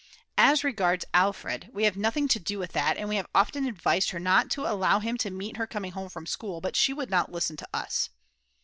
"As regards Alfred, we have nothing to do with that, and we have often advised her not to allow him to meet her coming home from school; but she would not listen to us."